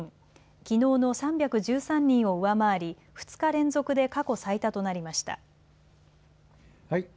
きのうの３１３人を上回り２日連続で過去最多となりました。